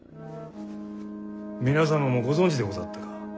皆様もご存じでござったか。